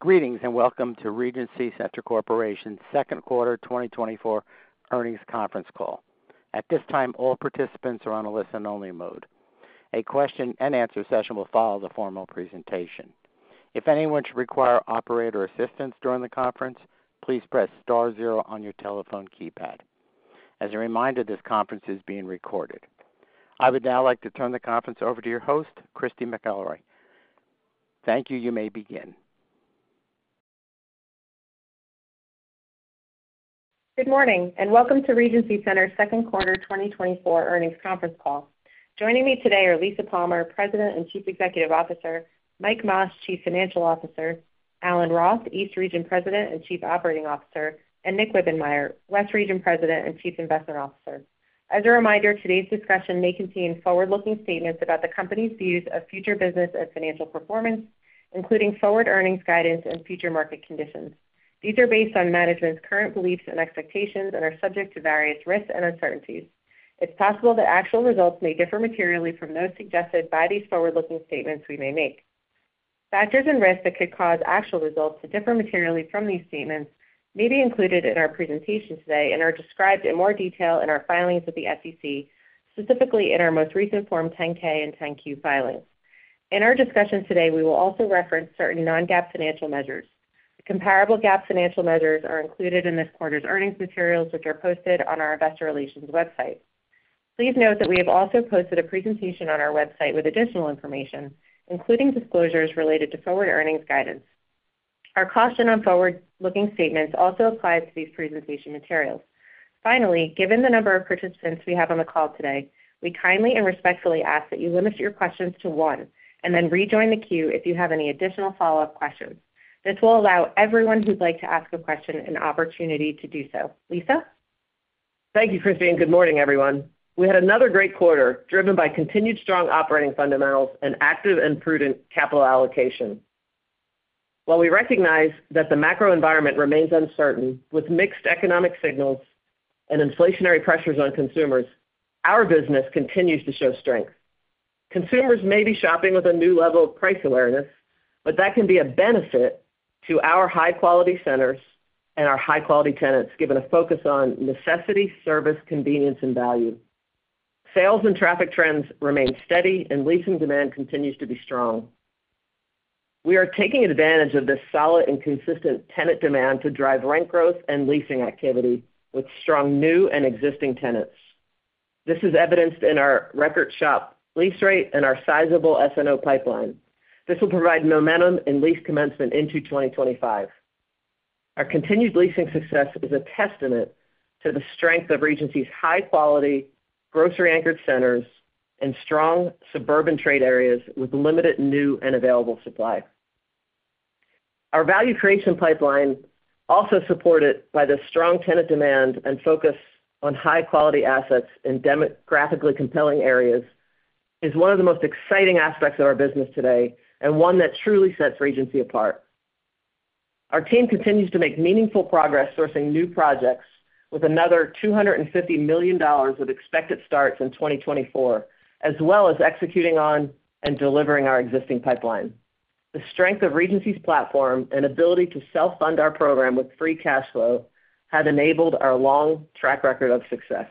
Greetings, and welcome to Regency Centers Corporation's second quarter 2024 earnings conference call. At this time, all participants are on a listen-only mode. A question and answer session will follow the formal presentation. If anyone should require operator assistance during the conference, please press star zero on your telephone keypad. As a reminder, this conference is being recorded. I would now like to turn the conference over to your host, Christy McElroy. Thank you. You may begin. Good morning, and welcome to Regency Centers' second quarter 2024 earnings conference call. Joining me today are Lisa Palmer, President and Chief Executive Officer, Mike Mas, Chief Financial Officer, Alan Roth, East Region President and Chief Operating Officer, and Nick Wibbenmeyer, West Region President and Chief Investment Officer. As a reminder, today's discussion may contain forward-looking statements about the company's views of future business and financial performance, including forward earnings guidance and future market conditions. These are based on management's current beliefs and expectations and are subject to various risks and uncertainties. It's possible that actual results may differ materially from those suggested by these forward-looking statements we may make. Factors and risks that could cause actual results to differ materially from these statements may be included in our presentation today and are described in more detail in our filings with the SEC, specifically in our most recent Form 10-K and 10-Q filings. In our discussion today, we will also reference certain non-GAAP financial measures. Comparable GAAP financial measures are included in this quarter's earnings materials, which are posted on our investor relations website. Please note that we have also posted a presentation on our website with additional information, including disclosures related to forward earnings guidance. Our caution on forward-looking statements also applies to these presentation materials. Finally, given the number of participants we have on the call today, we kindly and respectfully ask that you limit your questions to one, and then rejoin the queue if you have any additional follow-up questions. This will allow everyone who'd like to ask a question an opportunity to do so. Lisa? Thank you, Christy, and good morning, everyone. We had another great quarter, driven by continued strong operating fundamentals and active and prudent capital allocation. While we recognize that the macro environment remains uncertain, with mixed economic signals and inflationary pressures on consumers, our business continues to show strength. Consumers may be shopping with a new level of price awareness, but that can be a benefit to our high-quality centers and our high-quality tenants, given a focus on necessity, service, convenience, and value. Sales and traffic trends remain steady, and leasing demand continues to be strong. We are taking advantage of this solid and consistent tenant demand to drive rent growth and leasing activity with strong new and existing tenants. This is evidenced in our record shop lease rate and our sizable SNO pipeline. This will provide momentum and lease commencement into 2025. Our continued leasing success is a testament to the strength of Regency's high-quality, grocery-anchored centers and strong suburban trade areas with limited new and available supply. Our value creation pipeline, also supported by the strong tenant demand and focus on high-quality assets in demographically compelling areas, is one of the most exciting aspects of our business today and one that truly sets Regency apart. Our team continues to make meaningful progress sourcing new projects with another $250 million of expected starts in 2024, as well as executing on and delivering our existing pipeline. The strength of Regency's platform and ability to self-fund our program with free cash flow has enabled our long track record of success.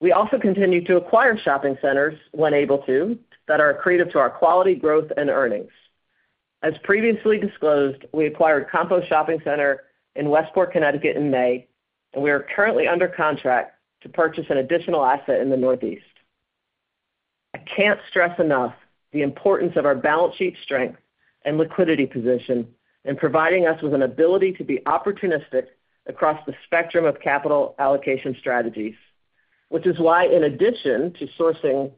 We also continue to acquire shopping centers, when able to, that are accretive to our quality, growth, and earnings. As previously disclosed, we acquired Compo Shopping Center in Westport, Connecticut, in May, and we are currently under contract to purchase an additional asset in the Northeast. I can't stress enough the importance of our balance sheet strength and liquidity position in providing us with an ability to be opportunistic across the spectrum of capital allocation strategies, which is why, in addition to sourcing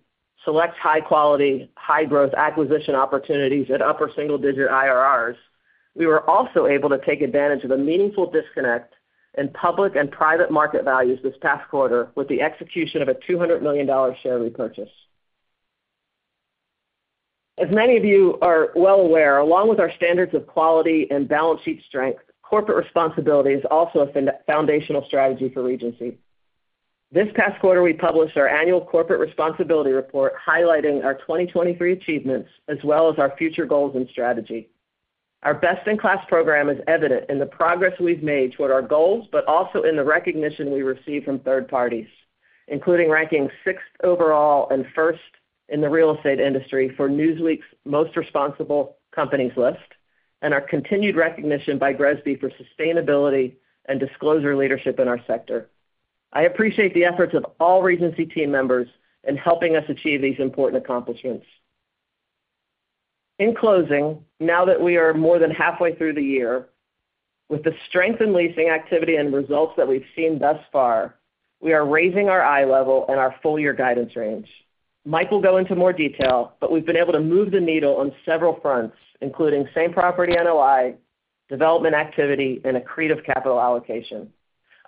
select high quality, high growth acquisition opportunities at upper single-digit IRRs, we were also able to take advantage of a meaningful disconnect in public and private market values this past quarter with the execution of a $200 million share repurchase. As many of you are well aware, along with our standards of quality and balance sheet strength, corporate responsibility is also a foundational strategy for Regency. This past quarter, we published our annual corporate responsibility report, highlighting our 2023 achievements, as well as our future goals and strategy. Our best-in-class program is evident in the progress we've made toward our goals, but also in the recognition we receive from third parties, including ranking sixth overall and first in the real estate industry for Newsweek's Most Responsible Companies list, and our continued recognition by GRESB for sustainability and disclosure leadership in our sector. I appreciate the efforts of all Regency team members in helping us achieve these important accomplishments. In closing, now that we are more than halfway through the year, with the strength in leasing activity and results that we've seen thus far, we are raising our eye level and our full year guidance range. Mike will go into more detail, but we've been able to move the needle on several fronts, including same-property NOI, development activity, and accretive capital allocation.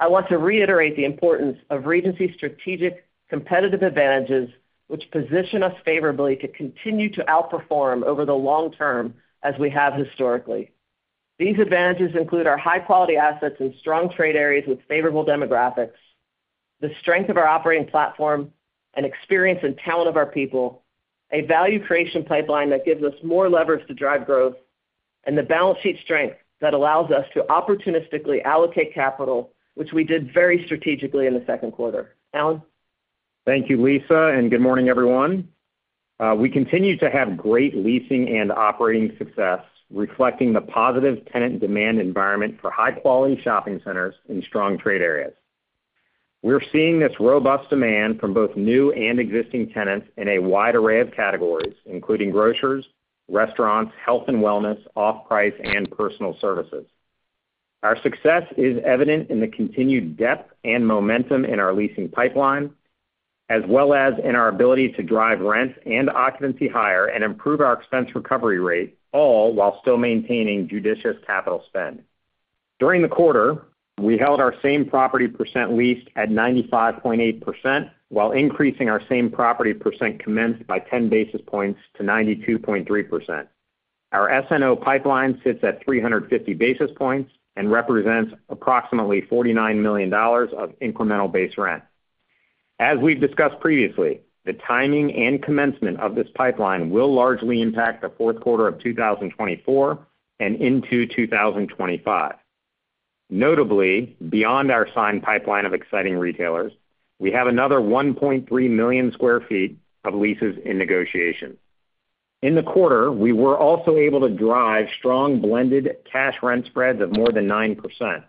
I want to reiterate the importance of Regency's strategic competitive advantages, which position us favorably to continue to outperform over the long term, as we have historically. These advantages include our high-quality assets in strong trade areas with favorable demographics.... the strength of our operating platform and experience and talent of our people, a value creation pipeline that gives us more levers to drive growth, and the balance sheet strength that allows us to opportunistically allocate capital, which we did very strategically in the second quarter. Alan? Thank you, Lisa, and good morning, everyone. We continue to have great leasing and operating success, reflecting the positive tenant demand environment for high-quality shopping centers in strong trade areas. We're seeing this robust demand from both new and existing tenants in a wide array of categories, including grocers, restaurants, health and wellness, off-price, and personal services. Our success is evident in the continued depth and momentum in our leasing pipeline, as well as in our ability to drive rents and occupancy higher and improve our expense recovery rate, all while still maintaining judicious capital spend. During the quarter, we held our same property percent leased at 95.8%, while increasing our same property percent commenced by 10 basis points to 92.3%. Our SNO pipeline sits at 350 basis points and represents approximately $49 million of incremental base rent. As we've discussed previously, the timing and commencement of this pipeline will largely impact the fourth quarter of 2024 and into 2025. Notably, beyond our signed pipeline of exciting retailers, we have another 1.3 million sq ft of leases in negotiation. In the quarter, we were also able to drive strong blended cash rent spreads of more than 9%.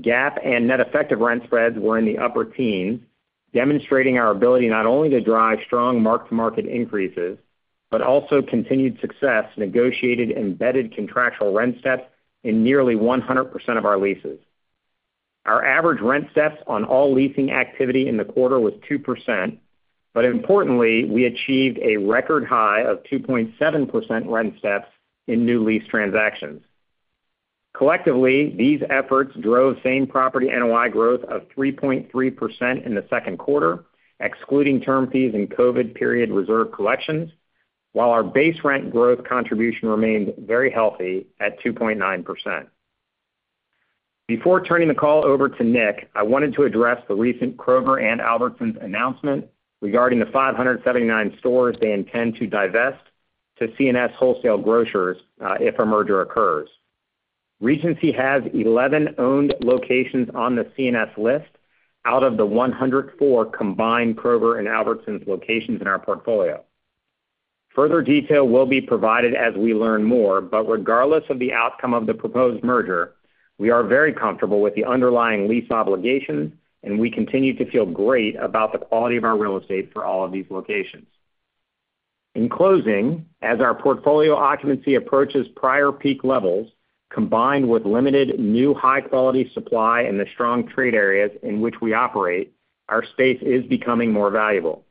GAAP and net effective rent spreads were in the upper teens, demonstrating our ability not only to drive strong mark-to-market increases, but also continued success, negotiated embedded contractual rent steps in nearly 100% of our leases. Our average rent steps on all leasing activity in the quarter was 2%, but importantly, we achieved a record high of 2.7% rent steps in new lease transactions. Collectively, these efforts drove same-property NOI growth of 3.3% in the second quarter, excluding term fees and COVID period reserve collections, while our base rent growth contribution remained very healthy at 2.9%. Before turning the call over to Nick, I wanted to address the recent Kroger and Albertsons announcement regarding the 579 stores they intend to divest to C&S Wholesale Grocers, if a merger occurs. Regency has 11 owned locations on the C&S list, out of the 104 combined Kroger and Albertsons locations in our portfolio. Further detail will be provided as we learn more, but regardless of the outcome of the proposed merger, we are very comfortable with the underlying lease obligations, and we continue to feel great about the quality of our real estate for all of these locations. In closing, as our portfolio occupancy approaches prior peak levels, combined with limited new high-quality supply in the strong trade areas in which we operate, our space is becoming more valuable.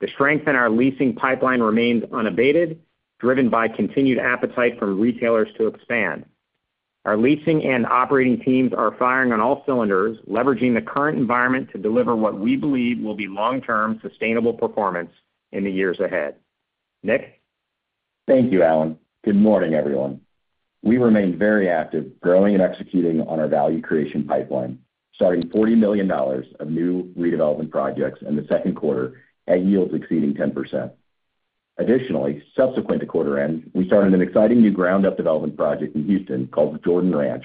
The strength in our leasing pipeline remains unabated, driven by continued appetite from retailers to expand. Our leasing and operating teams are firing on all cylinders, leveraging the current environment to deliver what we believe will be long-term, sustainable performance in the years ahead. Nick? Thank you, Alan. Good morning, everyone. We remain very active, growing and executing on our value creation pipeline, starting $40 million of new redevelopment projects in the second quarter at yields exceeding 10%. Additionally, subsequent to quarter end, we started an exciting new ground-up development project in Houston called Jordan Ranch.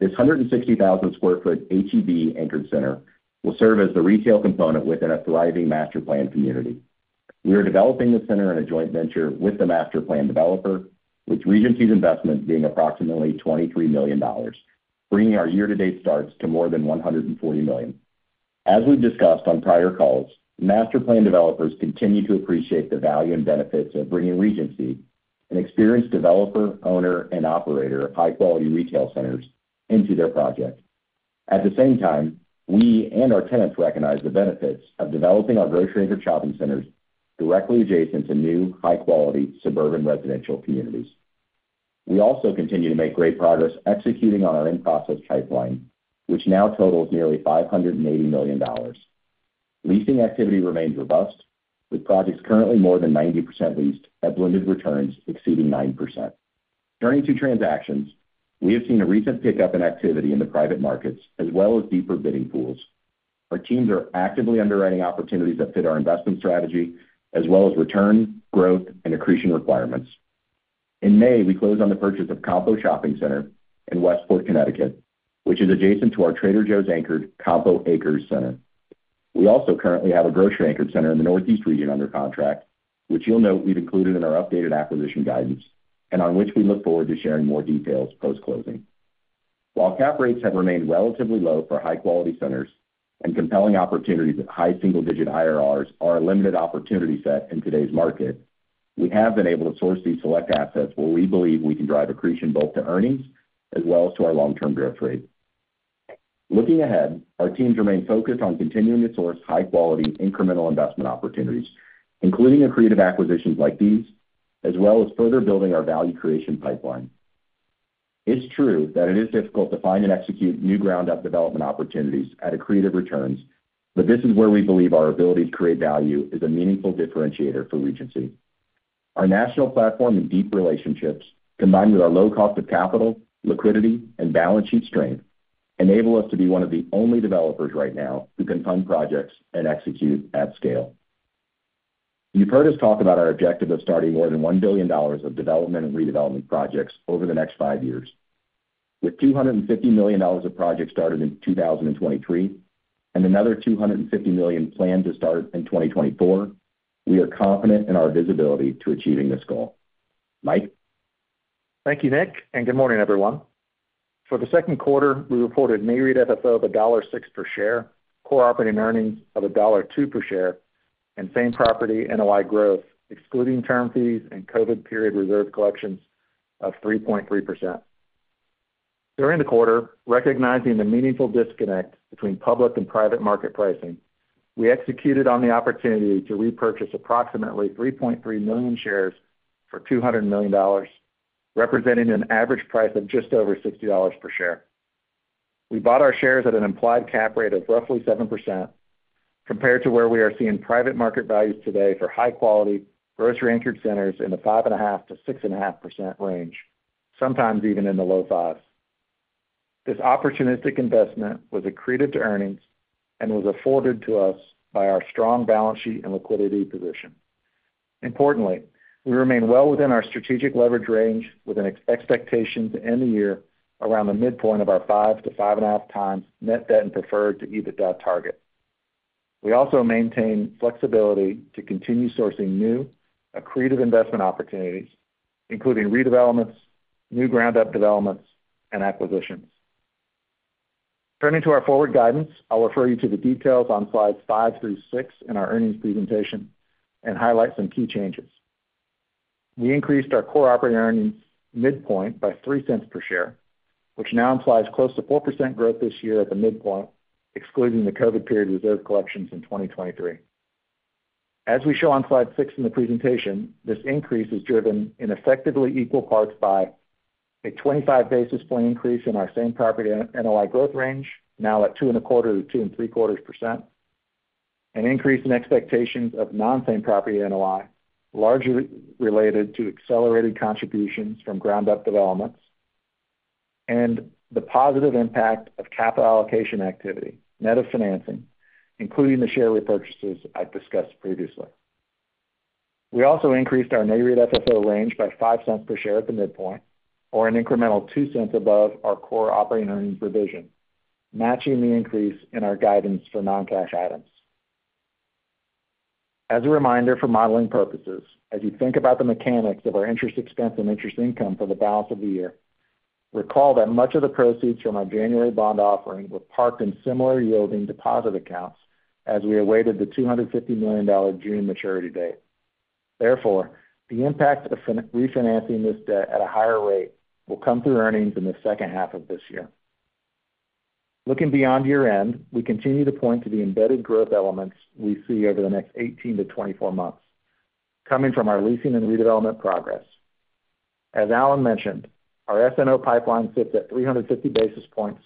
This 160,000 sq ft H-E-B anchored center will serve as the retail component within a thriving master planned community. We are developing the center in a joint venture with the master planned developer, with Regency's investment being approximately $23 million, bringing our year-to-date starts to more than $140 million. As we've discussed on prior calls, master planned developers continue to appreciate the value and benefits of bringing Regency, an experienced developer, owner, and operator of high-quality retail centers, into their project. At the same time, we and our tenants recognize the benefits of developing our grocery-anchored shopping centers directly adjacent to new, high-quality suburban residential communities. We also continue to make great progress executing on our in-process pipeline, which now totals nearly $580 million. Leasing activity remains robust, with projects currently more than 90% leased at blended returns exceeding 9%. Turning to transactions, we have seen a recent pickup in activity in the private markets, as well as deeper bidding pools. Our teams are actively underwriting opportunities that fit our investment strategy, as well as return, growth, and accretion requirements. In May, we closed on the purchase of Compo Shopping Center in Westport, Connecticut, which is adjacent to our Trader Joe's anchored Compo Acres center. We also currently have a grocery-anchored center in the Northeast region under contract, which you'll note we've included in our updated acquisition guidance, and on which we look forward to sharing more details post-closing. While cap rates have remained relatively low for high-quality centers and compelling opportunities with high single-digit IRRs are a limited opportunity set in today's market, we have been able to source these select assets where we believe we can drive accretion both to earnings as well as to our long-term growth rate. Looking ahead, our teams remain focused on continuing to source high-quality, incremental investment opportunities, including accretive acquisitions like these, as well as further building our value creation pipeline. It's true that it is difficult to find and execute new ground-up development opportunities at accretive returns, but this is where we believe our ability to create value is a meaningful differentiator for Regency.... Our national platform and deep relationships, combined with our low cost of capital, liquidity, and balance sheet strength, enable us to be one of the only developers right now who can fund projects and execute at scale. You've heard us talk about our objective of starting more than $1 billion of development and redevelopment projects over the next five years. With $250 million of projects started in 2023, and another $250 million planned to start in 2024, we are confident in our visibility to achieving this goal. Mike? Thank you, Nick, and good morning, everyone. For the second quarter, we reported NAREIT FFO of $6 per share, core operating earnings of $2 per share, and same-property NOI growth, excluding term fees and COVID period reserve collections, of 3.3%. During the quarter, recognizing the meaningful disconnect between public and private market pricing, we executed on the opportunity to repurchase approximately 3.3 million shares for $200 million, representing an average price of just over $60 per share. We bought our shares at an implied cap rate of roughly 7%, compared to where we are seeing private market values today for high-quality, grocery-anchored centers in the 5.5%-6.5% range, sometimes even in the low fives. This opportunistic investment was accretive to earnings and was afforded to us by our strong balance sheet and liquidity position. Importantly, we remain well within our strategic leverage range, with an expectation to end the year around the midpoint of our 5-5.5 times net debt and preferred to EBITDA target. We also maintain flexibility to continue sourcing new, accretive investment opportunities, including redevelopments, new ground-up developments, and acquisitions. Turning to our forward guidance, I'll refer you to the details on slides 5 through 6 in our earnings presentation and highlight some key changes. We increased our core operating earnings midpoint by $0.03 per share, which now implies close to 4% growth this year at the midpoint, excluding the COVID period reserve collections in 2023. As we show on slide six in the presentation, this increase is driven in effectively equal parts by a 25 basis point increase in our same-property NOI growth range, now at 2.25%-2.75%, an increase in expectations of non-same-property NOI, largely related to accelerated contributions from ground-up developments, and the positive impact of capital allocation activity, net of financing, including the share repurchases I've discussed previously. We also increased our NAREIT FFO range by $0.05 per share at the midpoint, or an incremental $0.02 above our core operating earnings revision, matching the increase in our guidance for non-cash items. As a reminder for modeling purposes, as you think about the mechanics of our interest expense and interest income for the balance of the year, recall that much of the proceeds from our January bond offering were parked in similar-yielding deposit accounts as we awaited the $250 million June maturity date. Therefore, the impact of refinancing this debt at a higher rate will come through earnings in the second half of this year. Looking beyond year-end, we continue to point to the embedded growth elements we see over the next 18-24 months, coming from our leasing and redevelopment progress. As Alan mentioned, our SNO pipeline sits at 350 basis points,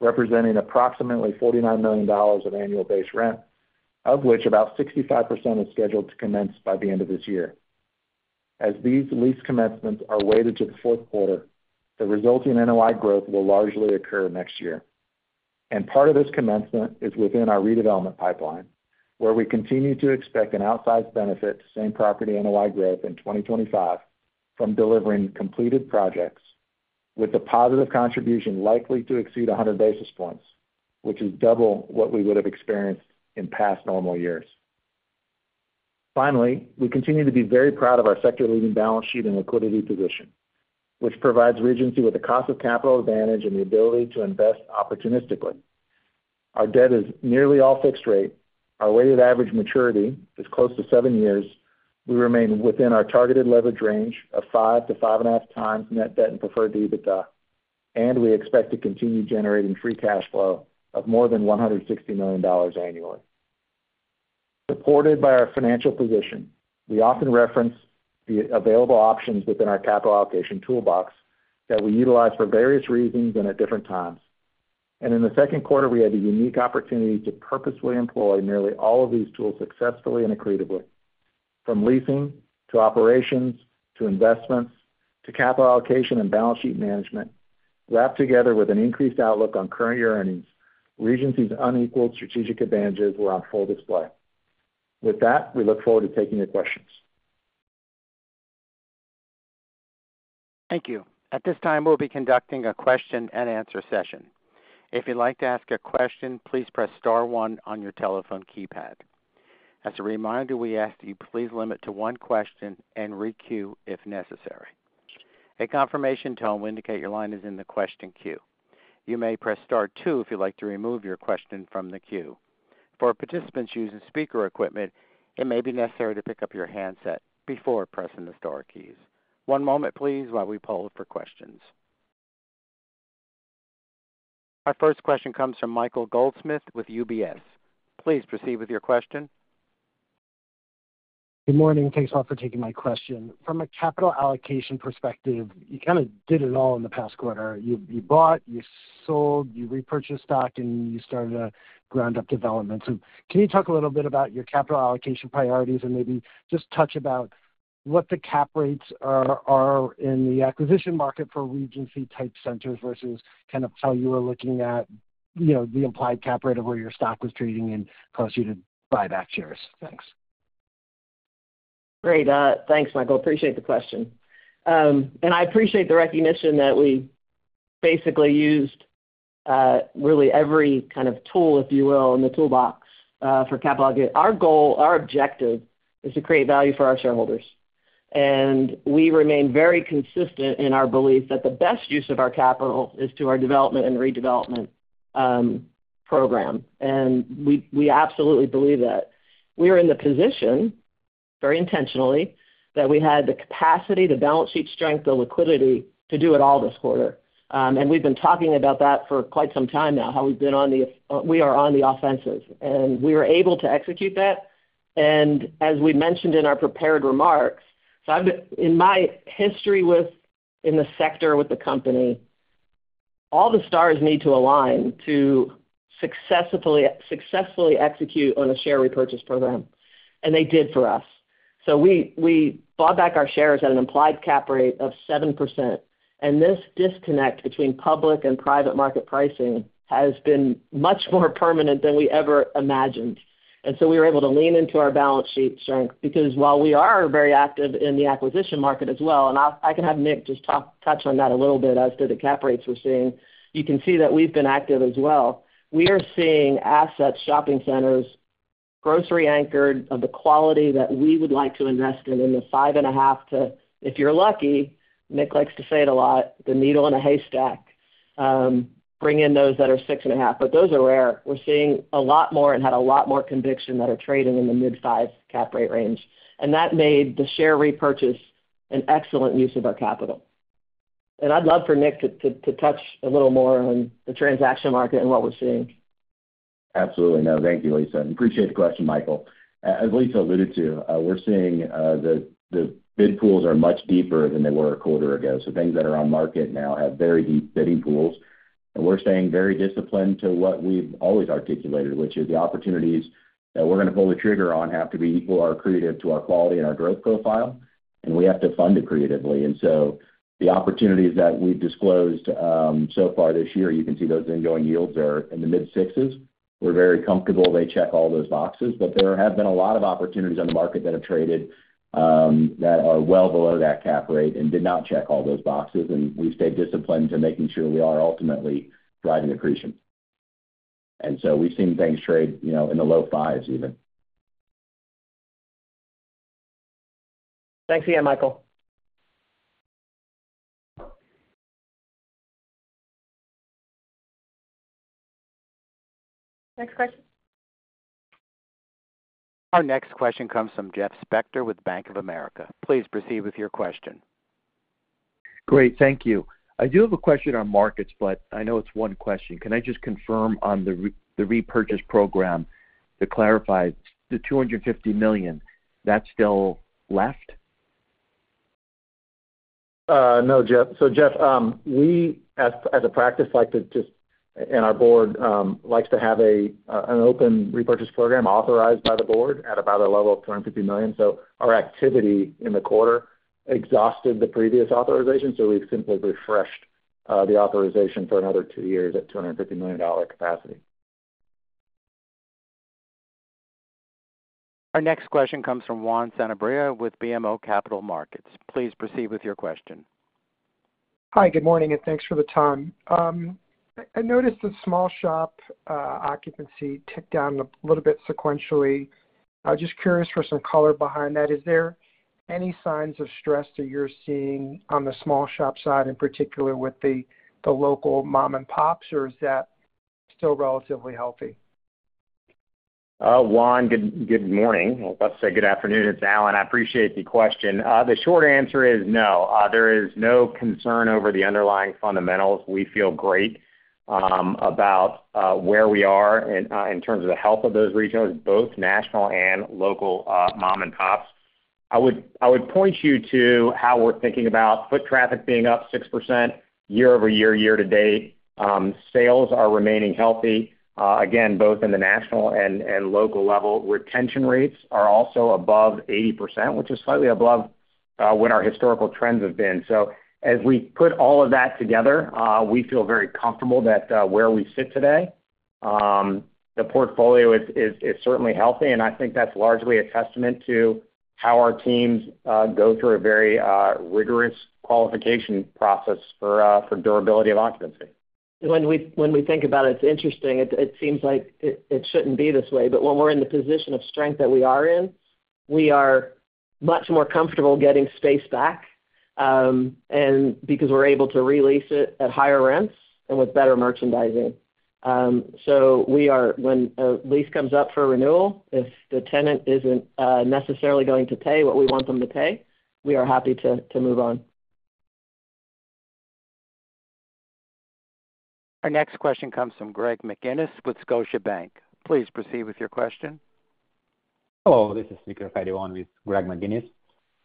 representing approximately $49 million of annual base rent, of which about 65% is scheduled to commence by the end of this year. As these lease commencements are weighted to the fourth quarter, the resulting NOI growth will largely occur next year. Part of this commencement is within our redevelopment pipeline, where we continue to expect an outsized benefit to same-property NOI growth in 2025 from delivering completed projects, with the positive contribution likely to exceed 100 basis points, which is double what we would have experienced in past normal years. Finally, we continue to be very proud of our sector-leading balance sheet and liquidity position, which provides Regency with a cost of capital advantage and the ability to invest opportunistically. Our debt is nearly all fixed rate. Our weighted average maturity is close to seven years. We remain within our targeted leverage range of 5-5.5 times net debt and preferred to EBITDA, and we expect to continue generating free cash flow of more than $160 million annually. Supported by our financial position, we often reference the available options within our capital allocation toolbox that we utilize for various reasons and at different times. And in the second quarter, we had a unique opportunity to purposefully employ nearly all of these tools successfully and accretively. From leasing to operations, to investments, to capital allocation and balance sheet management, wrapped together with an increased outlook on current year earnings, Regency's unequaled strategic advantages were on full display. With that, we look forward to taking your questions. Thank you. At this time, we'll be conducting a question-and-answer session. If you'd like to ask a question, please press star one on your telephone keypad. As a reminder, we ask that you please limit to one question and re-queue if necessary. A confirmation tone will indicate your line is in the question queue. You may press star two if you'd like to remove your question from the queue. For participants using speaker equipment, it may be necessary to pick up your handset before pressing the star keys. One moment, please, while we poll for questions. Our first question comes from Michael Goldsmith with UBS. Please proceed with your question. Good morning, thanks all for taking my question. From a capital allocation perspective, you kind of did it all in the past quarter. You, you bought, you sold, you repurchased stock, and you started ground-up developments. And can you talk a little bit about your capital allocation priorities and maybe just touch about- ... what the cap rates are, are in the acquisition market for Regency-type centers, versus kind of how you were looking at, you know, the implied cap rate of where your stock was trading and caused you to buy back shares? Thanks. Great. Thanks, Michael. Appreciate the question. And I appreciate the recognition that we basically used really every kind of tool, if you will, in the toolbox for capital allocation. Our goal, our objective, is to create value for our shareholders. And we remain very consistent in our belief that the best use of our capital is to our development and redevelopment program. And we absolutely believe that. We are in the position, very intentionally, that we had the capacity, the balance sheet strength, the liquidity to do it all this quarter. And we've been talking about that for quite some time now, how we've been on the offensive, and we were able to execute that. As we mentioned in our prepared remarks, so, in my history with the sector, with the company, all the stars need to align to successfully execute on a share repurchase program, and they did for us. So we bought back our shares at an implied cap rate of 7%, and this disconnect between public and private market pricing has been much more permanent than we ever imagined. So we were able to lean into our balance sheet strength, because while we are very active in the acquisition market as well, and I can have Nick just touch on that a little bit as to the cap rates we're seeing. You can see that we've been active as well. We are seeing assets, shopping centers, grocery anchored, of the quality that we would like to invest in, in the 5.5 to, if you're lucky, Nick likes to say it a lot, the needle in a haystack, bring in those that are 6.5, but those are rare. We're seeing a lot more and had a lot more conviction that are trading in the mid-5 cap rate range, and that made the share repurchase an excellent use of our capital. I'd love for Nick to touch a little more on the transaction market and what we're seeing. Absolutely. No, thank you, Lisa. Appreciate the question, Michael. As Lisa alluded to, we're seeing the bid pools are much deeper than they were a quarter ago. So things that are on market now have very deep bidding pools. And we're staying very disciplined to what we've always articulated, which is the opportunities that we're going to pull the trigger on have to be equal or accretive to our quality and our growth profile, and we have to fund it creatively. And so the opportunities that we've disclosed so far this year, you can see those ongoing yields are in the mid sixes. We're very comfortable, they check all those boxes, but there have been a lot of opportunities on the market that have traded that are well below that cap rate and did not check all those boxes. We stayed disciplined to making sure we are ultimately driving accretion. And so we've seen things trade, you know, in the low fives, even. Thanks again, Michael. Next question. Our next question comes from Jeff Spector with Bank of America. Please proceed with your question. Great, thank you. I do have a question on markets, but I know it's one question. Can I just confirm on the repurchase program, to clarify, the $250 million, that's still left? No, Jeff. So Jeff, we, as a practice, like to just, and our board, likes to have an open repurchase program authorized by the board at about a level of $250 million. So our activity in the quarter exhausted the previous authorization, so we've simply refreshed, the authorization for another two years at $250 million dollar capacity. Our next question comes from Juan Sanabria with BMO Capital Markets. Please proceed with your question. Hi, good morning, and thanks for the time. I noticed that small shop occupancy ticked down a little bit sequentially. I was just curious for some color behind that. Is there any signs of stress that you're seeing on the small shop side, in particular with the, the local mom and pops, or is that still relatively healthy? Juan, good, good morning. Well, about to say good afternoon. It's Alan. I appreciate the question. The short answer is no. There is no concern over the underlying fundamentals. We feel great, about, where we are in, in terms of the health of those retailers, both national and local, mom and pops. I would, I would point you to how we're thinking about foot traffic being up 6% year-over-year, year-to-date. Sales are remaining healthy, again, both in the national and, and local level. Retention rates are also above 80%, which is slightly above, what our historical trends have been. So as we put all of that together, we feel very comfortable that, where we sit today, the portfolio is certainly healthy, and I think that's largely a testament to how our teams go through a very rigorous qualification process for durability of occupancy. When we think about it, it's interesting. It seems like it shouldn't be this way, but when we're in the position of strength that we are in, we are much more comfortable getting space back, and because we're able to re-lease it at higher rents and with better merchandising. So we are, when a lease comes up for renewal, if the tenant isn't necessarily going to pay what we want them to pay, we are happy to move on. Our next question comes from Greg McGinnis with Scotiabank. Please proceed with your question. Hello, this is speaker fifty-one with Greg McGinnis.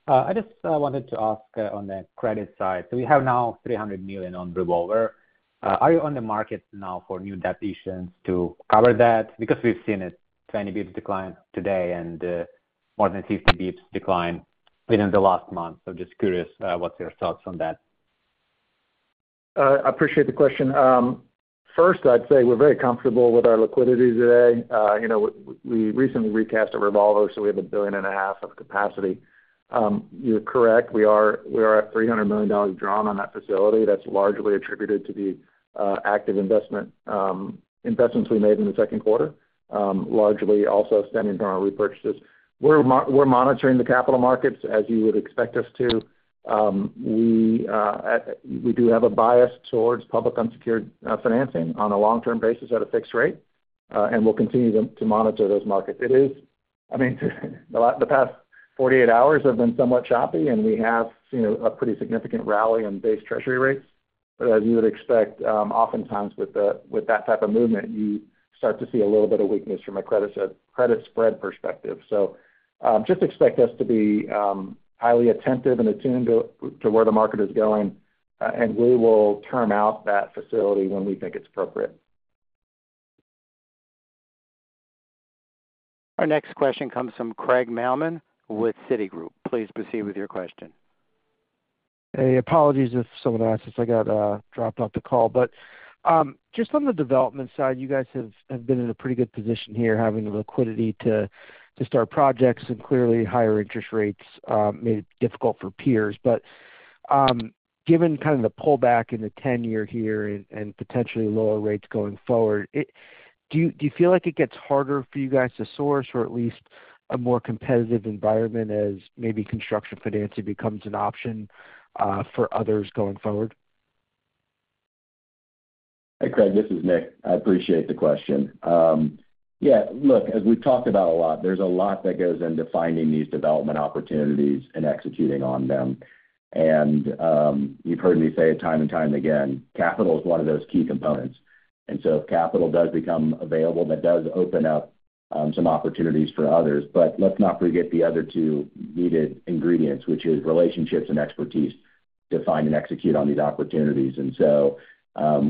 I just wanted to ask on the credit side. So you have now $300 million on revolver.... Are you on the market now for new debt issuance to cover that? Because we've seen a 20 basis points decline today and more than 50 basis points decline within the last month. So just curious, what's your thoughts on that? I appreciate the question. First, I'd say we're very comfortable with our liquidity today. You know, we recently recast a revolver, so we have $1.5 billion of capacity. You're correct, we are at $300 million drawn on that facility. That's largely attributed to the active investments we made in the second quarter, largely also stemming from our repurchases. We're monitoring the capital markets, as you would expect us to. We do have a bias towards public unsecured financing on a long-term basis at a fixed rate, and we'll continue to monitor those markets. I mean, the past 48 hours have been somewhat choppy, and we have seen a pretty significant rally on base treasury rates. But as you would expect, oftentimes with the, with that type of movement, you start to see a little bit of weakness from a credit spread, credit spread perspective. So, just expect us to be highly attentive and attuned to, to where the market is going, and we will term out that facility when we think it's appropriate. Our next question comes from Craig Mailman with Citigroup. Please proceed with your question. Hey, apologies if someone asked this. I got dropped off the call. But just on the development side, you guys have been in a pretty good position here, having the liquidity to start projects, and clearly, higher interest rates made it difficult for peers. But given kind of the pullback in the 10-year here and potentially lower rates going forward, do you feel like it gets harder for you guys to source or at least a more competitive environment as maybe construction financing becomes an option for others going forward? Hey, Craig, this is Nick. I appreciate the question. Yeah, look, as we've talked about a lot, there's a lot that goes into finding these development opportunities and executing on them. And, you've heard me say it time and time again, capital is one of those key components. And so if capital does become available, that does open up some opportunities for others. But let's not forget the other two needed ingredients, which is relationships and expertise, to find and execute on these opportunities. And so,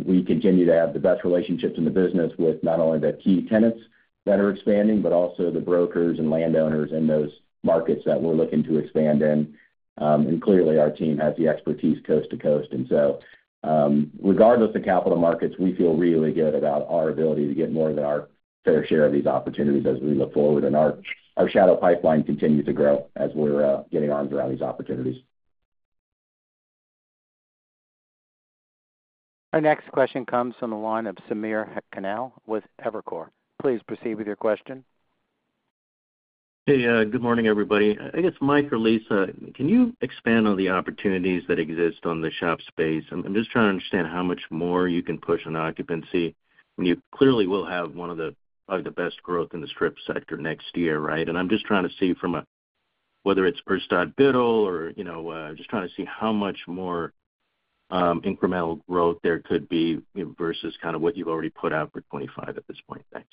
we continue to have the best relationships in the business with not only the key tenants that are expanding, but also the brokers and landowners in those markets that we're looking to expand in. And clearly, our team has the expertise coast to coast. And so, regardless of capital markets, we feel really good about our ability to get more than our fair share of these opportunities as we look forward. Our shadow pipeline continues to grow as we're getting arms around these opportunities. Our next question comes from the line of Samir Khanal with Evercore. Please proceed with your question. Hey, good morning, everybody. I guess, Mike or Lisa, can you expand on the opportunities that exist on the shop space? I'm just trying to understand how much more you can push on occupancy. And you clearly will have one of the, probably the best growth in the strip sector next year, right? And I'm just trying to see from a, whether it's burst dot middle or, you know, just trying to see how much more, incremental growth there could be versus kind of what you've already put out for 2025 at this point. Thanks.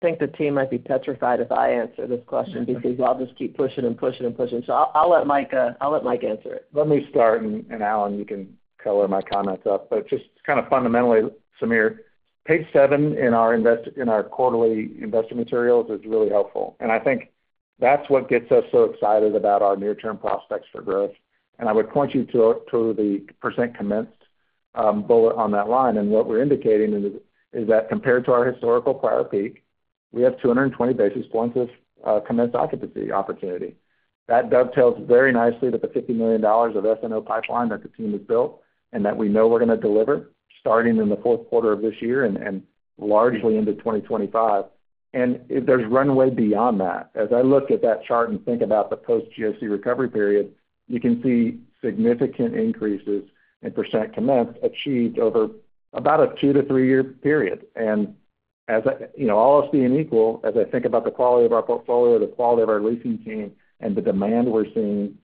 I think the team might be petrified if I answer this question because I'll just keep pushing and pushing, and pushing. So I'll let Mike answer it. Let me start, and Alan, you can color my comments up. But just kind of fundamentally, Sameer, page seven in our quarterly investment materials is really helpful, and I think that's what gets us so excited about our near-term prospects for growth. And I would point you to the percent commenced bullet on that line. And what we're indicating is that compared to our historical prior peak, we have 220 basis points of commenced occupancy opportunity. That dovetails very nicely to the $50 million of SNO pipeline that the team has built and that we know we're gonna deliver, starting in the fourth quarter of this year and largely into 2025. And there's runway beyond that. As I look at that chart and think about the post GOC recovery period, you can see significant increases in % commenced, achieved over about a 2-3-year period. And as I... You know, all else being equal, as I think about the quality of our portfolio, the quality of our leasing team, and the demand we're seeing,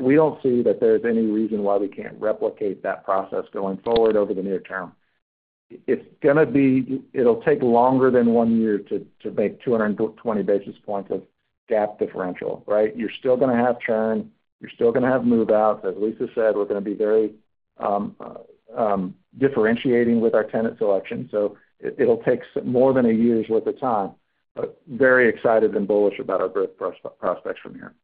we don't see that there's any reason why we can't replicate that process going forward over the near term. It's gonna be. It'll take longer than one year to make 220 basis points of gap differential, right? You're still gonna have churn. You're still gonna have move-out. As Lisa said, we're gonna be very differentiating with our tenant selection, so it'll take more than a year's worth of time, but very excited and bullish about our growth prospects from here.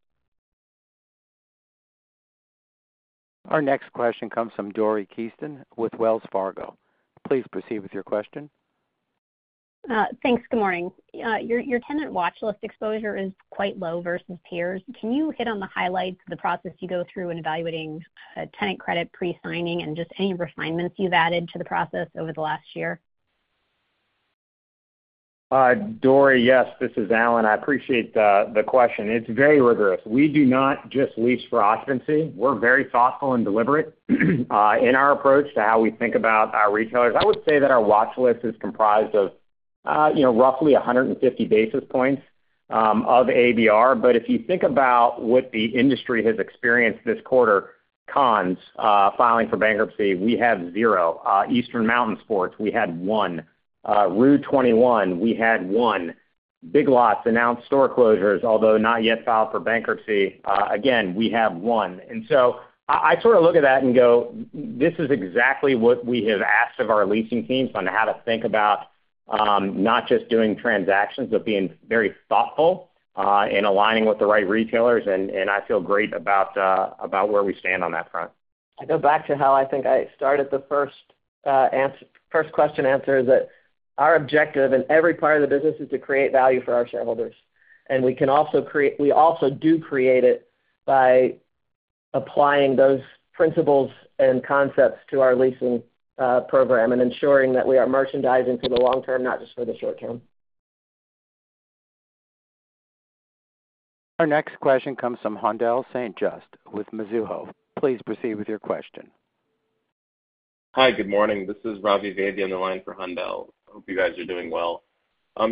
Our next question comes from Dori Kesten with Wells Fargo. Please proceed with your question. Thanks. Good morning. Your tenant watch list exposure is quite low versus peers. Can you hit on the highlights of the process you go through in evaluating tenant credit pre-signing and just any refinements you've added to the process over the last year? Dori, yes, this is Alan. I appreciate the, the question. It's very rigorous. We do not just lease for occupancy. We're very thoughtful and deliberate in our approach to how we think about our retailers. I would say that our watch list is comprised of, you know, roughly 150 basis points of ABR. But if you think about what the industry has experienced this quarter, Conn's filing for bankruptcy, we have zero. Eastern Mountain Sports, we had one. rue21, we had one. Big Lots announced store closures, although not yet filed for bankruptcy. Again, we have one. And so I sort of look at that and go, this is exactly what we have asked of our leasing teams on how to think about, not just doing transactions, but being very thoughtful, in aligning with the right retailers, and I feel great about where we stand on that front. I go back to how I think I started the first question and answer, is that our objective in every part of the business is to create value for our shareholders. And we can also create—we also do create it by applying those principles and concepts to our leasing program and ensuring that we are merchandising for the long term, not just for the short term. Our next question comes from Haendel St. Juste with Mizuho. Please proceed with your question. Hi, good morning. This is Ravi Vaidya on the line for Haendel. Hope you guys are doing well.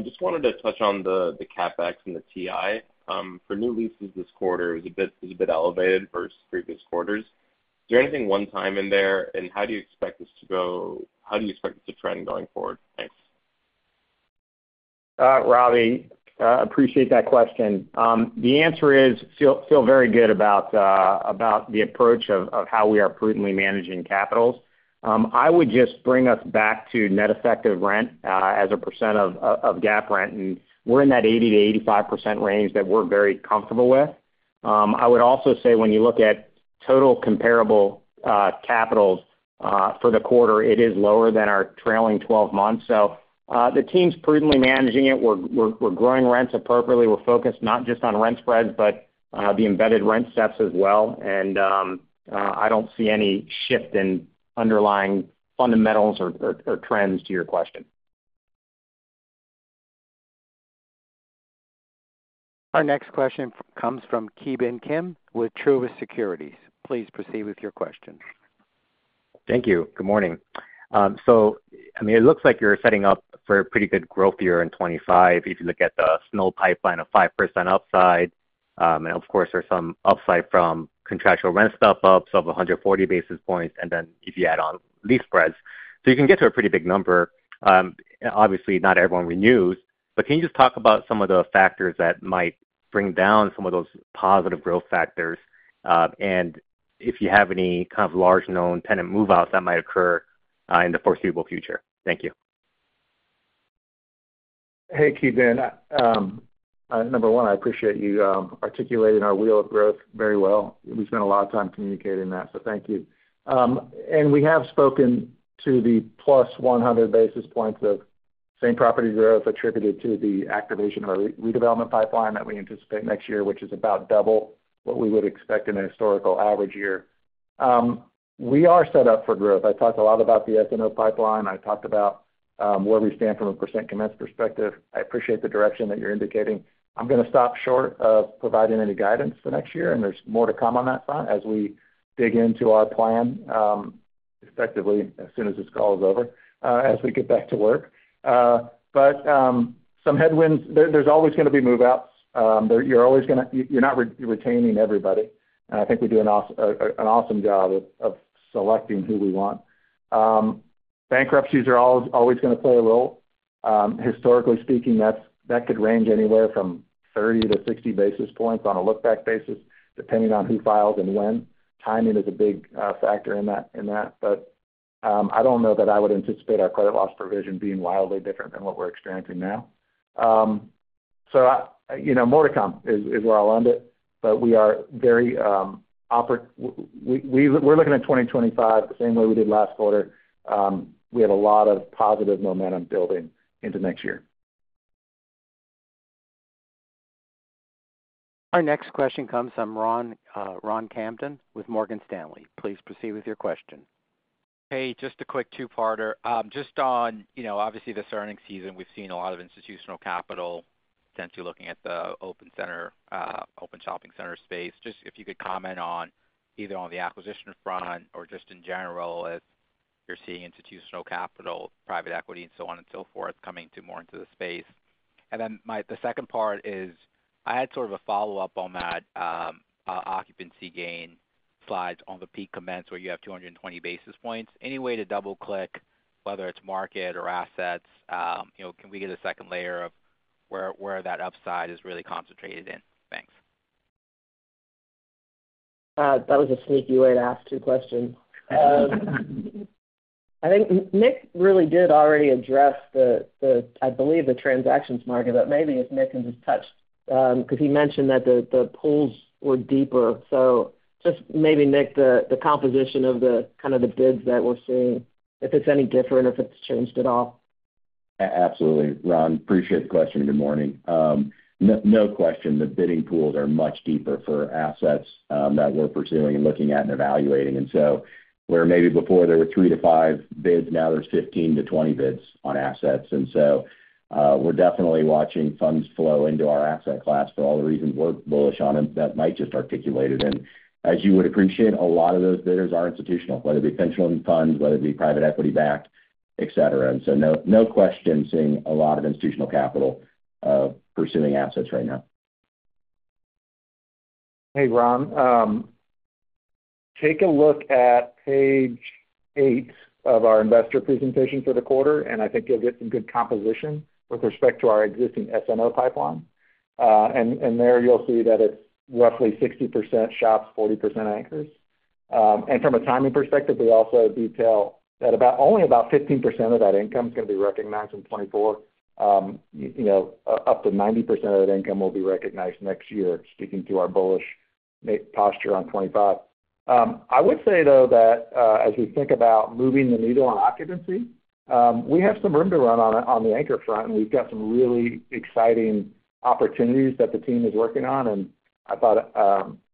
Just wanted to touch on the CapEx and the TI. For new leases this quarter, it's a bit elevated versus previous quarters. Is there anything one-time in there, and how do you expect this to go? How do you expect it to trend going forward? Thanks. Ravi, appreciate that question. The answer is, feel very good about the approach of how we are prudently managing capitals. I would just bring us back to net effective rent as a percent of GAAP rent, and we're in that 80%-85% range that we're very comfortable with. I would also say when you look at total comparable capitals for the quarter, it is lower than our trailing twelve months. So, the team's prudently managing it. We're growing rents appropriately. We're focused not just on rent spreads, but the embedded rent steps as well. And I don't see any shift in underlying fundamentals or trends to your question. Our next question comes from Ki Bin Kim, with Truist Securities. Please proceed with your question. Thank you. Good morning. So I mean, it looks like you're setting up for a pretty good growth year in 25, if you look at the SNO pipeline of 5% upside. And of course, there's some upside from contractual rent step ups of 140 basis points, and then if you add on lease spreads. So you can get to a pretty big number. Obviously, not everyone renews, but can you just talk about some of the factors that might bring down some of those positive growth factors, and if you have any kind of large known tenant move-outs that might occur in the foreseeable future? Thank you. Hey, Ki Bin. Number one, I appreciate you articulating our wheel of growth very well. We spend a lot of time communicating that, so thank you. We have spoken to the plus 100 basis points of same property growth attributed to the activation of our redevelopment pipeline that we anticipate next year, which is about double what we would expect in a historical average year. We are set up for growth. I talked a lot about the SNO pipeline. I talked about where we stand from a percent commenced perspective. I appreciate the direction that you're indicating. I'm gonna stop short of providing any guidance for next year, and there's more to come on that front as we dig into our plan, effectively as soon as this call is over, as we get back to work. But some headwinds. There, there's always gonna be move-outs. You're always gonna, you're not retaining everybody, and I think we do an awesome job of selecting who we want. Bankruptcies are always gonna play a role. Historically speaking, that could range anywhere from 30-60 basis points on a look-back basis, depending on who files and when. Timing is a big factor in that. But I don't know that I would anticipate our credit loss provision being wildly different than what we're experiencing now. So I, you know, more to come is where I'll end it, but we are very. We're looking at 2025 the same way we did last quarter. We have a lot of positive momentum building into next year. Our next question comes from Ron, Ron Kamdem with Morgan Stanley. Please proceed with your question. Hey, just a quick two-parter. Just on, you know, obviously, this earning season, we've seen a lot of institutional capital, essentially looking at the open center, open shopping center space. Just if you could comment on, either on the acquisition front or just in general, as you're seeing institutional capital, private equity and so on and so forth, coming to more into the space. And then my-- the second part is, I had sort of a follow-up on that, occupancy gain slides on the peak commence, where you have 220 basis points. Any way to double-click, whether it's market or assets, you know, can we get a second layer of where, where that upside is really concentrated in? Thanks. That was a sneaky way to ask two questions. I think Nick really did already address the, I believe, the transactions market, but maybe if Nick can just touch, because he mentioned that the pools were deeper. So just maybe, Nick, the composition of the kind of the bids that we're seeing, if it's any different, if it's changed at all. Absolutely, Ron. Appreciate the question. Good morning. No, no question, the bidding pools are much deeper for assets that we're pursuing and looking at and evaluating. And so where maybe before there were 3-5 bids, now there's 15-20 bids on assets. And so, we're definitely watching funds flow into our asset class for all the reasons we're bullish on, and that might just articulate it. And as you would appreciate, a lot of those bidders are institutional, whether it be pension funds, whether it be private equity-backed, et cetera. And so no, no question, seeing a lot of institutional capital pursuing assets right now.... Hey, Ron. Take a look at page eight of our investor presentation for the quarter, and I think you'll get some good composition with respect to our existing SNO pipeline. And there, you'll see that it's roughly 60% shops, 40% anchors. And from a timing perspective, we also detail that only about 15% of that income is going to be recognized in 2024. You know, up to 90% of that income will be recognized next year, speaking to our bullish posture on 2025. I would say, though, that as we think about moving the needle on occupancy, we have some room to run on the anchor front, and we've got some really exciting opportunities that the team is working on, and I thought,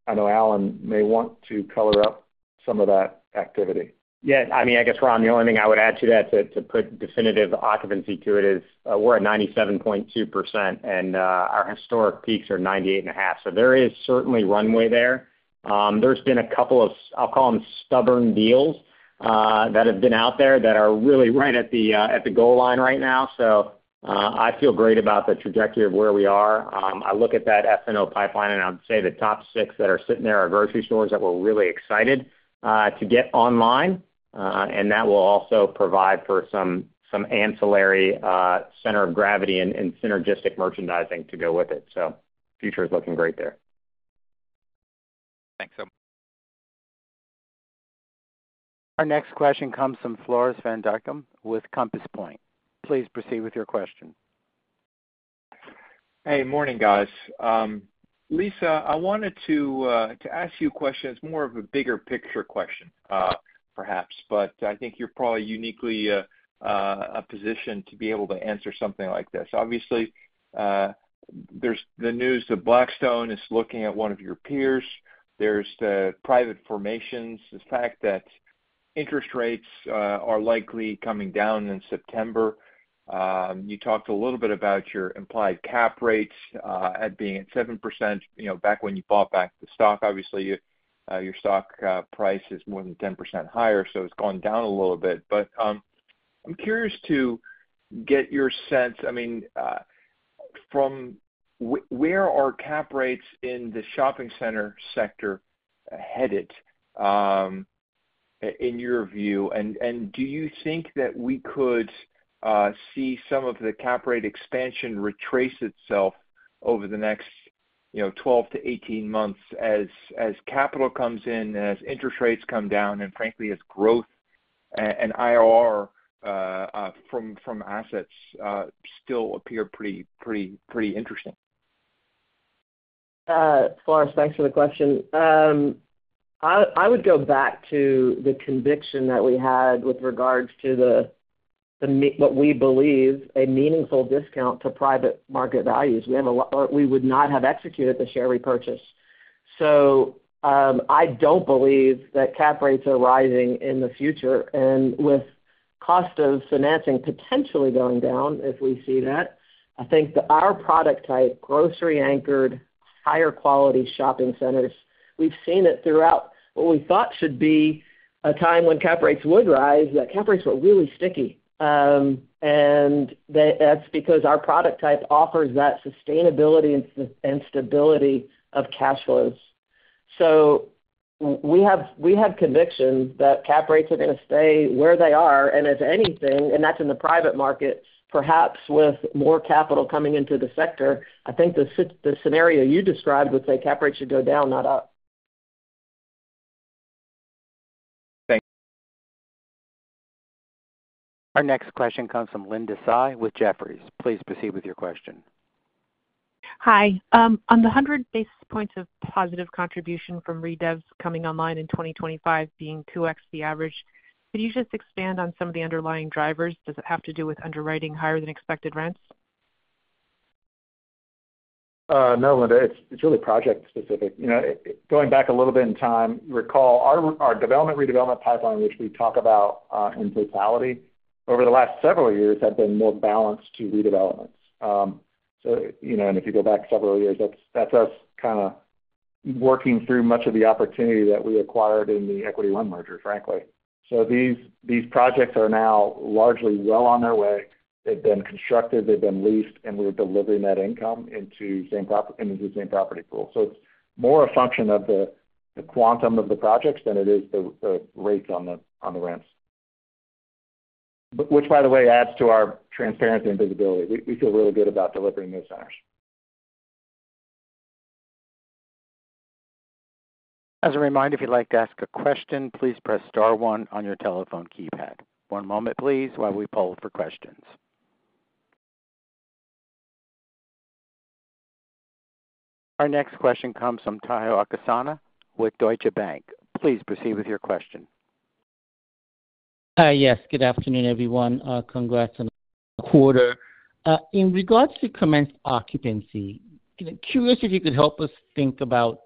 I know Alan may want to color up some of that activity. Yeah, I mean, I guess, Ron, the only thing I would add to that, to put definitive occupancy to it, is we're at 97.2%, and our historic peaks are 98.5%. So there is certainly runway there. There's been a couple of, I'll call them, stubborn deals that have been out there that are really right at the goal line right now. So I feel great about the trajectory of where we are. I look at that SNO pipeline, and I'd say the top 6 that are sitting there are grocery stores that we're really excited to get online, and that will also provide for some ancillary center of gravity and synergistic merchandising to go with it. So the future is looking great there. Our next question comes from Floris van Dijkum with Compass Point. Please proceed with your question. Hey, morning, guys. Lisa, I wanted to ask you a question. It's more of a bigger picture question, perhaps, but I think you're probably uniquely positioned to be able to answer something like this. Obviously, there's the news that Blackstone is looking at one of your peers. There's the private formations, the fact that interest rates are likely coming down in September. You talked a little bit about your implied cap rates at being at 7%, you know, back when you bought back the stock. Obviously, your stock price is more than 10% higher, so it's gone down a little bit. But, I'm curious to get your sense, I mean, from where are cap rates in the shopping center sector headed, in your view? Do you think that we could see some of the cap rate expansion retrace itself over the next, you know, 12-18 months as capital comes in, as interest rates come down, and frankly, as growth and IRR from assets still appear pretty, pretty, pretty interesting? Floris, thanks for the question. I, I would go back to the conviction that we had with regards to what we believe, a meaningful discount to private market values. Or we would not have executed the share repurchase. So, I don't believe that cap rates are rising in the future. And with cost of financing potentially going down, if we see that, I think that our product type, grocery anchored, higher quality shopping centers, we've seen it throughout. What we thought should be a time when cap rates would rise, that cap rates were really sticky. And that's because our product type offers that sustainability and stability of cash flows. So we have, we have conviction that cap rates are going to stay where they are, and if anything, and that's in the private market, perhaps with more capital coming into the sector, I think the scenario you described would say cap rates should go down, not up. Thank you. Our next question comes from Linda Tsai with Jefferies. Please proceed with your question. Hi. On the 100 basis points of positive contribution from redevs coming online in 2025 being 2x the average, could you just expand on some of the underlying drivers? Does it have to do with underwriting higher than expected rents? No, Linda. It's really project specific. You know, going back a little bit in time, recall our development, redevelopment pipeline, which we talk about in totality, over the last several years, have been more balanced to redevelopments. So, you know, and if you go back several years, that's us kind of working through much of the opportunity that we acquired in the Urstadt Biddle merger, frankly. So these projects are now largely well on their way. They've been constructed, they've been leased, and we're delivering that income into the same property pool. So it's more a function of the quantum of the projects than it is the rates on the rents. Which, by the way, adds to our transparency and visibility. We feel really good about delivering those centers. As a reminder, if you'd like to ask a question, please press star one on your telephone keypad. One moment, please, while we poll for questions. Our next question comes from Tayo Okusanya with Deutsche Bank. Please proceed with your question. Yes, good afternoon, everyone. Congrats on the quarter. In regards to commence occupancy, kind of curious if you could help us think about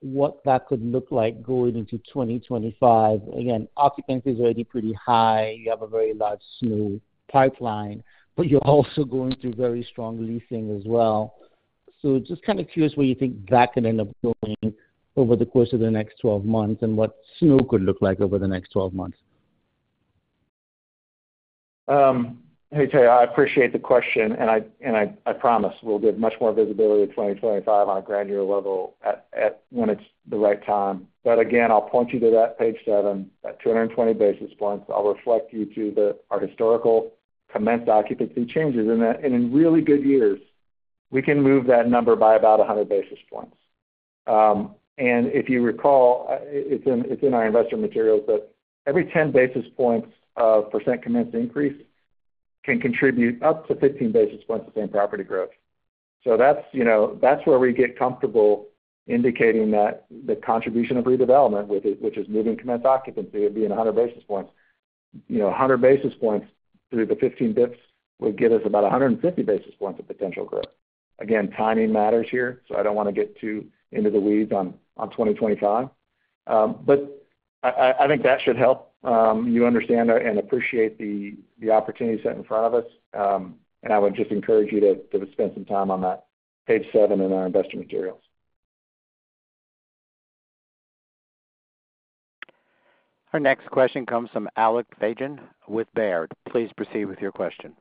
what that could look like going into 2025. Again, occupancy is already pretty high. You have a very large SNO pipeline, but you're also going through very strong leasing as well. So just kind of curious where you think that could end up going over the course of the next 12 months and what SNO could look like over the next 12 months? Let me tell you, I appreciate the question, and I promise we'll give much more visibility to 2025 on a grand year level at when it's the right time. But again, I'll point you to that page 7, that 220 basis points. I'll refer you to our historical commenced occupancy changes, and in really good years, we can move that number by about 100 basis points. And if you recall, it's in our investor materials, that every 10 basis points of % commenced increase can contribute up to 15 basis points of same property growth. So that's, you know, that's where we get comfortable indicating that the contribution of redevelopment, with it, which is moving commenced occupancy, would be 100 basis points. You know, 100 basis points through the 15 basis points would get us about 150 basis points of potential growth. Again, timing matters here, so I don't want to get too into the weeds on 2025. But I think that should help you understand and appreciate the opportunity set in front of us. And I would just encourage you to spend some time on that page 7 in our investor materials. Our next question comes from Alec Feygin with Baird. Please proceed with your question.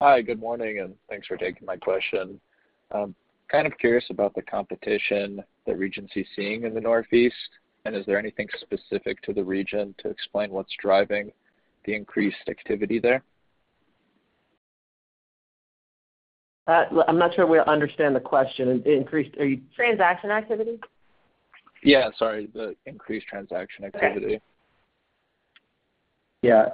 Hi, good morning, and thanks for taking my question. Kind of curious about the competition that Regency is seeing in the Northeast, and is there anything specific to the region to explain what's driving the increased activity there? I'm not sure we understand the question. Increased, are you- Transaction activity? Yeah, sorry, the increased transaction activity. Okay. Yeah,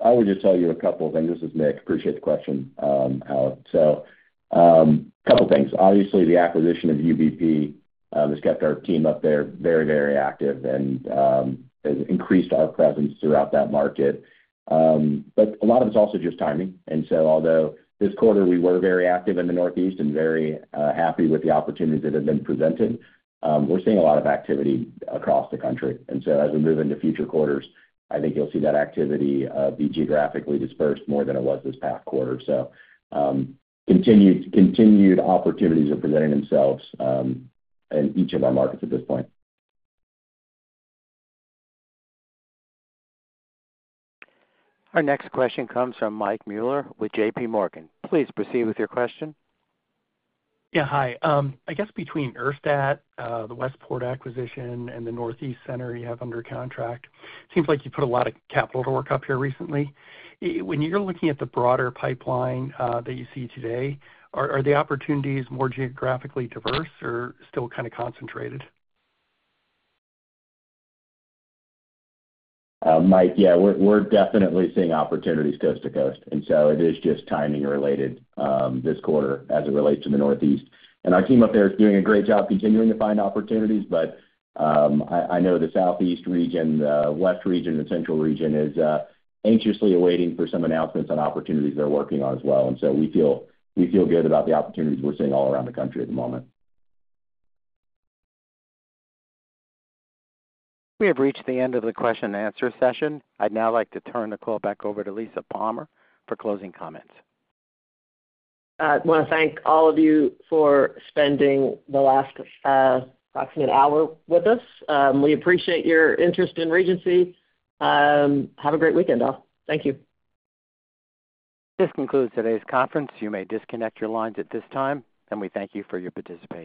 I would just tell you a couple of things. This is Nick. Appreciate the question, Alec. So, couple things. Obviously, the acquisition of UBP has kept our team up there very, very active and has increased our presence throughout that market. But a lot of it's also just timing. And so although this quarter we were very active in the Northeast and very happy with the opportunities that have been presented, we're seeing a lot of activity across the country. And so as we move into future quarters, I think you'll see that activity be geographically dispersed more than it was this past quarter. So, continued opportunities are presenting themselves in each of our markets at this point. Our next question comes from Mike Mueller with J.P. Morgan. Please proceed with your question. Yeah, hi. I guess between Urstadt, the Westport acquisition, and the Northeast center you have under contract, seems like you put a lot of capital to work up here recently. When you're looking at the broader pipeline, that you see today, are the opportunities more geographically diverse or still kind of concentrated? Mike, yeah, we're definitely seeing opportunities coast to coast, and so it is just timing related, this quarter as it relates to the Northeast. And our team up there is doing a great job continuing to find opportunities. But, I know the Southeast Region, West Region, and Central Region is anxiously awaiting for some announcements on opportunities they're working on as well. And so we feel good about the opportunities we're seeing all around the country at the moment. We have reached the end of the question and answer session. I'd now like to turn the call back over to Lisa Palmer for closing comments. I want to thank all of you for spending the last approximately an hour with us. We appreciate your interest in Regency. Have a great weekend, all. Thank you. This concludes today's conference. You may disconnect your lines at this time, and we thank you for your participation.